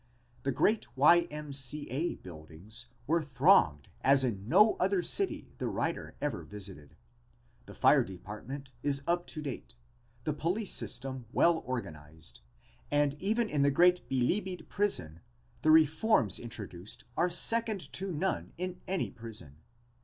The great Y. M. C. A. buildings were thronged as in no other city the writer ever visited. The fire department is up to date, the police system well organized, and even in the great Bilibid prison the reforms introduced are second to none in any prison.